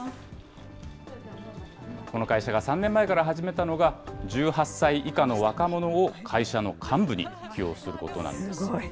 この会社が３年前から始めたのが、１８歳以下の若者を会社の幹部に起用することなんです。